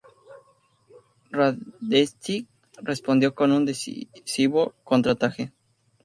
Radetzky respondió con un decisivo contraataque.